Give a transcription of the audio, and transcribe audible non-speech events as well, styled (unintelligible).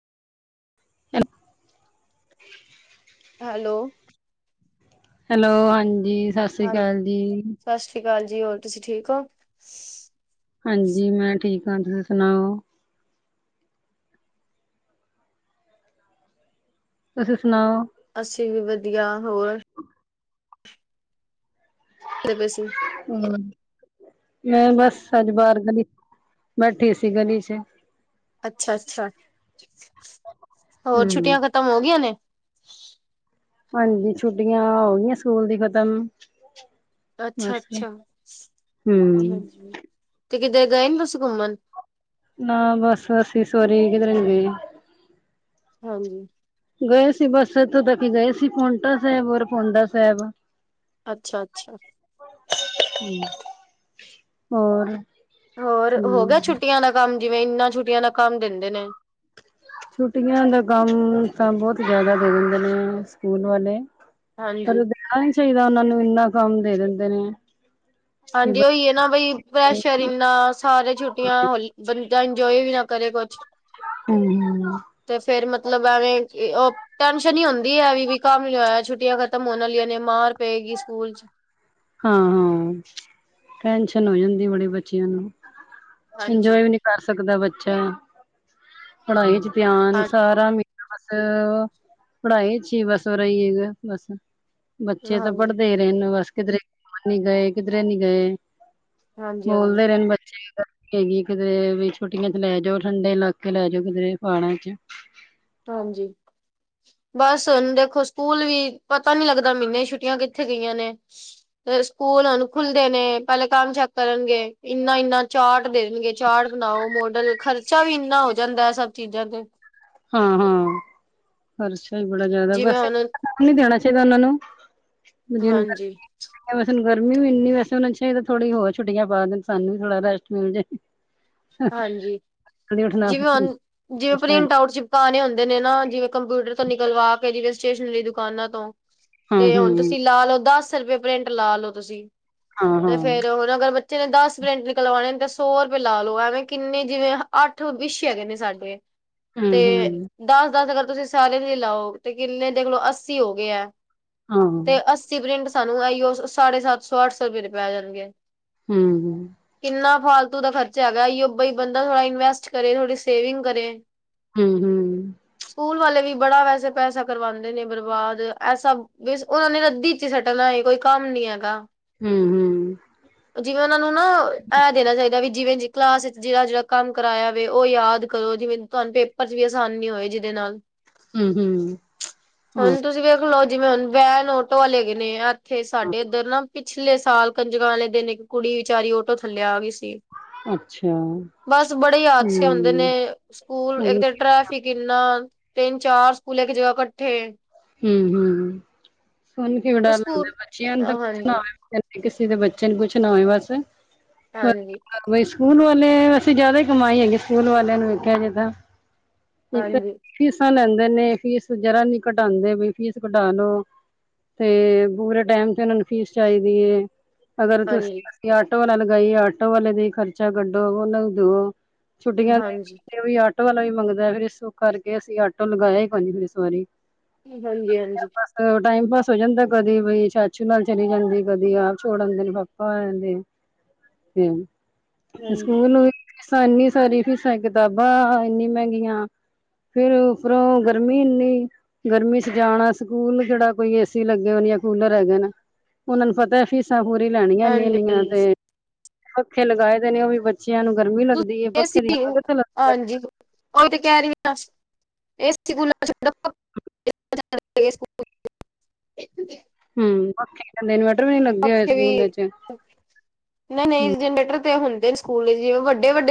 ਹੂੰ। Hello. Hello, ਹਾਂਜੀ, ਸਤਿ ਸ੍ਰੀ ਹਾਂਜੀ ਅਕਾਲ ਜੀ। ਸਤਿ ਸ਼੍ਰੀ ਅਕਾਲ ਜੀ, ਹੋਰ ਤੁਸੀਂ ਠੀਕ ਓ। ਹਾਂਜੀ ਮੈਂ ਠੀਕ ਆਂ। ਤੁਸੀਂ ਸੁਣਾਓ। ਤੁਸੀਂ ਸੁਣਾਓ? ਅਸੀਂ ਵੀ ਵਧੀਆ ਹੋਰ। ਕੀ ਕਰਦੇ ਪਏ ਸੀ। ਹੂੰ! ਮੈਂ ਬਸ ਅੱਜ ਬਾਹਰ ਗਲ਼ੀ ਬੈਠੀ ਸੀ ਗਲ਼ੀ 'ਚ। ਅੱਛਾ ਅੱਛਾ ਹੋਰ ਹਮ ਛੁੱਟੀਆਂ ਖ਼ਤਮ ਹੋ ਗਈਆਂ ਨੇ। ਹਾਂਜੀ ਛੁੱਟੀਆਂ ਹੋ ਗਈਆਂ ਸਕੂਲ ਦੀ ਖ਼ਤਮ। ਅੱਛਾ ਅੱਛਾ ਹਮ ਹਾਂਜੀ ਤੇ ਕਿਤੇ ਗਏ ਨੀ ਤੁਸੀਂ ਘੁੰਮਣ। ਨਾ ਬੱਸ ਬੱਸ ਅਸੀਂ ਇਸ ਵਾਰੀ ਕਿਧਰੇ ਨੀ ਗਏ। ਹਾਂਜੀ! ਗਏ ਸੀ ਬੱਸ ਇੱਥੋਂ ਤੱਕ ਗਏ ਸੀ ਪੌਟਾ ਸਾਹਿਬ ਔਰ ਪੌਡਾ ਸਾਹਿਬ। ਅੱਛਾ ਅੱਛਾ ਹੋਰ। ਹੋਰ ਹੋ ਗਿਆ ਹਮ ਛੁੱਟੀਆਂ ਦਾ ਕੰਮ ਜਿਵੇਂ ਇੰਨਾ ਛੁੱਟੀਆਂ ਦਾ ਕੰਮ ਦਿੰਦੇ ਨੇ। ਛੁੱਟੀਆਂ ਦਾ ਕੰਮ ਤਾਂ ਬਹੁਤ ਜ਼ਿਆਦਾ ਦੇ ਦਿੰਦੇ ਨੇ ਸਕੂਲ ਵਾਲੇ। ਹਾਂਜੀ ਪਰ ਦੇਣਾ ਨੀ ਚਾਹੀਦਾ ਉਹਨਾ ਨੂੰ ਇੰਨਾ ਕੰਮ ਦੇ ਦਿੰਦੇ ਨੇ। ਕਿ ਹਾਂਜੀ, ਉਹੀ ਹੈ ਨਾ ਬਈ। ਪ੍ਰੈਸ਼ਰ ਇੰਨਾ ਸਾਰੇ ਛੁੱਟੀਆਂ ਹੋਲੀ ਬੰਦਾ ਇੰਜੋਏ ਵੀ ਨਾ ਕਰੇ ਕੁਛ। ਹੂੰ, ਤੇ ਫੇਰ ਮਤਲਬ ਐਵੇਂ ਉਹ। ਟੈਨਸ਼ਨ ਹੀ ਹੁੰਦੀ ਹੈ ਵੀ ਕੰਮ ਨੀ ਹੋਇਆ ਛੁੱਟੀਆਂ ਖਤਮ ਹੋਣ ਵਾਲੀਆ ਨੇ ਮਾਰ ਪਏਗੀ ਸਕੂਲ ਚ। ਹਾਂ- ਹਾਂ, ਟੈਨਸ਼ਨ ਹੋ ਜਾਂਦੀ ਬੜੇ ਬੱਚਿਆਂ ਨੂੰ ਹਾਂਜੀ ਇੰਜੋਏ ਵੀ ਨੀ, ਕਰ ਸਕਦਾ ਬੱਚਾ ਪੜ੍ਹਾਈ ਚ ਧਿਆਨ ਹਾਂ ਸਾਰਾ‌ ਬਸ, ਪੜ੍ਹਾਈ ਅੱਛੀ ਬਸ ਹੋ ਰਹੀ ਹੈ ਬਸ। ਬੱਚੇ ਤਾਂ ਹਾਂਜੀ ਪੜ੍ਹਦੇ ਹੀ ਰਹੇ ਨੇ ਬਸ ਕਿਧਰੇ ਘੁੰਮਣ ਨਹੀ ਗਏ, ਕਿਧਰੇ ਨਹੀਂ ਗਏ। ਹਾਂਜੀ ਹਾਂਜੀ ਬੋਲਦੇ ਰਹਿਣ ਬੱਚੇ ਕੀ ਕਰਨ।, ਹੈਗੀ ਕਿਧਰੇ ਵੀ ਛੁੱਟੀਆਂ ਚ ਲੈ ਜਾਓ ਠੰਡੇ ਇਲਾਕੇ ਲੈ ਜਾਓ ਕਿਧਰੇ ਪਹਾੜਾਂ 'ਚ। ਹਾਂਜੀ। ਬਸ ਹੁਣ ਦੇਖੋ ਸਕੂਲ ਵੀ ਪਤਾ ਨੀ ਲੱਗਦਾ ਮਹੀਨੇ ਛੁੱਟੀਆਂ ਕਿੱਥੇ ਗਈਆ ਨੇ। ਸਕੂਲ ਹੁਣ ਖੁੱਲਦੇ ਨੇ ਪਹਿਲੇ ਕੰਮ ਚੱਕ ਕਰਨਗੇ ਇੰਨਾ- ਇੰਨਾ। ਚਾਟ ਦੇਣਗੇ ਚਾਟ ਬਣਾਓ ਮੋਡਲ ਖ਼ਰਚਾ ਵੀ ਇੰਨਾ ਹੋ ਜਾਂਦਾ ਹੈ ਸਭ ਚੀਜ਼ਾਂ ਤੇ। ਹਾਂ-ਹਾਂ, ਖ਼ਰਚਾ ਹੀ ਬੜਾ ਜ਼ਿਆਦਾ ਜਿਵੇਂ ਵੈਸੇ। ਹੁਣ ਨੀ ਦੇਣਾ ਚਾਹੀਦਾ ਉਹਨਾਂ ਨੂੰ, ਜਿਹਨੂੰ ਫੇਰ, ਹਾਂਜੀ ਨਾਲੇ ਵੈਸੇ ਗਰਮੀ ਵੀ ਇਨੀ ਵੈਸੇ ਹੁਣ ਸ਼ਾਇਦ ਥੋੜੀਆ ਛੁੱਟੀਆਂ ਪਾ ਦੇਣ ਸਾਨੂੰ ਵੀ ਥੋੜਾ ਰੈਸਟ ਮਿਲ ਜਾਏ। ਹਾਂਜੀ, ਉੱਠਣਾ ਜਿਵੇਂ ਹੁਣ ਜਿਵੇਂ ਪ੍ਰਿੰਟ ਆਊਟ ਚ, ਕਾਨੇ ਹੁੰਦੇ ਨੇ ਨਾ ਜਿਵੇਂ ਕੰਪਿਊਟਰ ਤੋਂ ਨਿਕਲਵਾ ਕੇ ਜਿਵੇਂ ਸਟੇਸ਼ਨਰੀ ਦੁਕਾਨਾਂ ਤੋਂ। ਹੂੰ ਤੇ ਹੁਣ ਹੂੰ ਤੁਸੀਂ ਲਾ ਲਓ ਦਸ ਰੁਪਏ ਪ੍ਰਿੰਟ ਲਾ ਲਓ ਤੁਸੀਂ ਹਾਂ ਹਾਂ ਤੇ ਫੇਰ ਹੁਣ ਅਗਰ ਬ ਬੱਚੇ ਨੇ ਦਸ ਪ੍ਰਿੰਟ ਨਿਕਲਵਾਉਣੇ ਨੇ ਤਾਂ ਸੌ ਰੁਪਏ ਲਾ ਲਓ ਐ, ਮੈਂ ਕਿੰਨੇ ਜਿਵੇਂ ਅੱਠ ਵਿਸ਼ੇ ਹੈਗੇ ਨੇ ਸਾਡੇ, ਹੂੰ ਤੇ। ਹੂੰ ਦਸ-ਦਸ ਅਗਰ ਤੁਸੀਂ ਸਾਰੇ ਲਈ ਲਾਓ ਤੇ ਕਿੰਨੇ ਦੇਖ ਲਓ ਅੱਸੀ ਹੋ ਗਏ ਹੈ, ਹਾਂ ਤੇ ਹੂੰ ਅੱਸੀ ਪ੍ਰਿੰਟ ਸਾਨੂੰ ਇਹੀਓ ਸਾਢੇ ਸੱਤ ਸੌ ਅੱਠ ਸੌ ਰੁਪਏ ਦੇ ਪੈ ਜਾਣਗੇ। ਹੂੰ। ਕਿੰਨਾ ਫਾਲਤੂ ਦਾ ਖ਼ਰਚਾ ਹੈਗਾ ਇਹੀਓ ਬਈ ਬੰਦਾ ਥੋੜ੍ਹਾ ਇਨਵੈਸਟ ਕਰੇ ਥੋੜ੍ਹੀ ਸੇਵਿੰਗ ਕਰੇ। ਹੂੰ-ਹੂੰ। ਸਕੂਲ ਵਾਲੇ ਵੀ ਬੜਾ ਵੈਸੇ ਪੈਸਾ ਕਰਵਾਉਂਦੇ ਨੇ ਬਰਬਾਦ ਇਹ ਸਭ, ਬਸ ਉਹਨਾ ਨੇ ਰੱਦੀ ਚ ਹੀ ਸੁੱਟਣਾ ਏ ਕੋਈ ਕੰਮ ਨੀ ਹੈਗਾ। ਹੂੰ। ਜਿਵੇਂ ਉਹਨਾਂ ਨੂੰ ਨਾ ਇਹ ਦੇਣਾ ਚਾਹੀਦਾ ਵੀ ਜਿਵੇਂ ਜੀ ਕਲਾਸ ਵਿੱਚ ਜਿਹੜਾ-ਜਿਹੜਾ ਕੰਮ ਕਰਾਇਆ ਵੇ ਉਹ ਯਾਦ ਕਰੋ ਜਿਵੇਂ ਤੁਹਾਨੂੰ ਪੇਪਰ ਚ ਵੀ ਅਸਾਨੀ ਹੋਏ ਜਿਹਦੇ ਨਾਲ। ਹੂੰ-ਹੂੰ, ਹਾਂ। ਜੀ ਵੇਖ ਲਓ ਜਿਵੇ ਹੁਣ ਵੈਨ ਆਟੋ ਵਾਲੇ ਹੈ ਗਏ ਨੇ ਇਥੇ ਹਾਂ ਸਾਡੇ ਇਧਰ ਨਾ ਪਿਛਲੇ ਸਾਲ ਕੰਜਕਾਂ ਵਾਲੇ ਦਿਨ ਇਕ ਕੁੜੀ ਵਿਚਾਰੀ ਓਟੋ ਥੱਲਿਆ ਆ ਗਈ ਸੀ। ਅੱਛਾ। ਬਸ ਬੜੇ ਹਾਦਸੇ ਹੁੰਦੇ ਨੇ ਹੂੰ ਸਕੂਲ ਇਕ ਸੁਣ ਤੇ ਟਰ ਹੀ ਕਿੰਨਾ ਤਿੰਨ ਚਾਰ ਸਕੂਲ ਇਕ ਜਗਾ ਇਕੱਠੇ, ਹੂੰ-ਹੂੰ, ਸੁਣ ਕੇ ਡਰ ਸਕੂਲ ਲਗਦਾ ਬੱਚਿਆਂ ਨੂੰ ਤਾਂ ਕੁਛ ਨਾ ਹਾਂਜੀ ਹੋਵੇ। ਤੇ ਕਿਸੇ ਦੇ ਬੱਚੇ ਨੂੰ ਕੁਛ ਨਾ ਹੋਏ ਬਸ। ਹਾਂਜੀ। ਬਈ ਸਕੂਲ ਵਾਲੇ ਵੇਸੇ ਜਿਆਦਾ ਹੀ ਕਮਾਈ ਹੈਗੀ ਸਕੂਲ ਵਾਲਿਆਂ ਨੂੰ ਵੇਖਿਆ ਜਾਵੇ ਤਾਂ। ਹਾਂਜੀ ਫੀਸਾ ਲੈਦੇ ਨੇ ਫੀਸ ਜਰਾ ਨੀ ਘਟਾਉਦੇ ਵੀ ਫੀਸ ਘਟਾ ਲੋ- ਤੇ ਪੂਰੇ ਟਾਈਮ ਤੇ ਉਹਨਾ ਨੂੰ ਫੀਸ ਚਾਹੀਦੀ ਹੈ। ਅਗਰ ਤੁਸੀਂ ਹਾਂਜੀ ਅਸੀਂ ਆਟੋ ਵਾਲਾ ਲਗਾਈਏ ਆਟੋ ਵਾਲੇ ਦਾ ਖਰਚਾ ਕਢੋ ਉਹਨਾ ਨੂੰ ਦਵੋ- ਹਾਂਜੀ ਛੁੱਟੀਆਂ ਹਾਂਜੀ ਦੇਤੇ ਵੀ ਆਟੋ ਵਾਲਾ ਵੀ ਮੰਗਦਾ ਫਿਰ ਇਸ ਕਰਕੇ ਅਸੀਂ ਆਟੋ ਲਗਾਇਆ ਹੀ ਨਹੀ ਫਿਰ ਇਸਵਾਰੀ- ਹਾਂਜੀ- ਹਾਂਜੀ- ਚਲੋ ਟਾਈਮ ਪਾਸ ਹੋ ਜਾਦਾ ਕਦੇ ਵੀਈ ਚਾਚੂ ਨਾਲ ਚਲੀ ਜਾਦੀ ਕਦੇ ਆਪ ਛੋੜ ਆਦੇ ਨੇ ਪਾਪਾ ਇਦੇ (unintelligible) ਹਾਂਜੀ ਸਕੂਲ ਨੂੰ ਵੀ ਫੀਸਾਂ ਇਨੀ ਸਾਰੀ ਫੀਸਾ ਕਿਤਾਬਾ ਇਨੀ ਮਹਿਗੀਆਂ- ਫਿਰ ਉੱਪਰੋਂ ਗਰਮੀ ਇਨੀ- ਗਰਮੀ 'ਚ ਜਾਣਾ ਸਕੂਲ ਕਿਹੜਾ ਕੋਈ ਏਸੀ ਲਗੇ ਹੋ ਜਾਂ ਕੂਲਰ ਹੈਗੇ ਨੇ ਉਹਨਾ ਨੂੰ ਪਤਾ ਹੈ। ਫੀ- ਫੀਸਾਂ ਪੂਰੀ ਲੈਣੀਆਂ ਇਨੀੇ ਹਾਂਜੀ ਇਨੀਆਂ ਹਾਂਜੀ ਤੇ ਪੱੱਖੇ ਲਗਾਏ ਦੇ ਨੇ ਉਹ ਵੀ ਬੱਚਿਆਂ ਨੂੰ ਗਰਮੀ ਲੱ- (unintelligible) ਹਾਂਜੀ ਉਹ ਤੇ ਕਹਿ ਰਹੀ ਇਹ ਸਕੂਲ ਛੱਡੋ (unintelligible) ਹੂੰ,,, ਕਹਿੰਦੇ ਇਨਵਰਟਰ ਲੱਗ (unintelligible) ਨਹੀਂ- ਨਹੀਂ ਜਨਰੇਟਰ ਤੇ ਹੁੰਦੇ ਨੇ ਸਕੂਲ ਜਿਵੇਂ ਵੱਡੇ ਵੱਡੇ